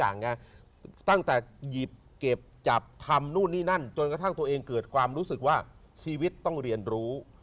อย่างนี้ตั้งแต่หยิบเก็บจับทำนู่นนี่นั่นจนกระทั่งตัวเองเกิดความรู้สึกว่าชีวิตต้องเรียนรู้